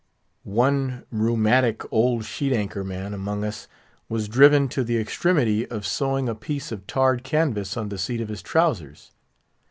One rheumatic old sheet anchor man among us was driven to the extremity of sewing a piece of tarred canvas on the seat of his trowsers.